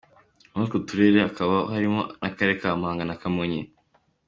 Muri utwo turere hakaba harimo n’Akarere ka Muhanga na Kamonyi.